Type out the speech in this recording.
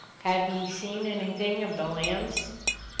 "Have ye seen anything of the lambs?